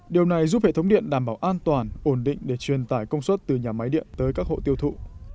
điều này giúp hệ thống điện đảm bảo an toàn ổn định để truyền tải công suất từ nhà máy điện tới các hộ tiêu thụ